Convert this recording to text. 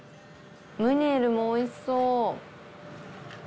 ムニエルもおいしそう。